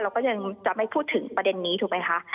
ก็ยังจะไม่พูดถึงประเด็นนี้ถูกไหมคะ